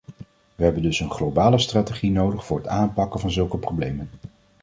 We hebben dus een globale strategie nodig voor het aanpakken van zulke problemen.